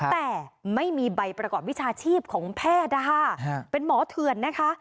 แต่ไม่มีใบประกอบวิชาชีพของแพทย์นะคะเป็นหมอเถื่อนนะคะ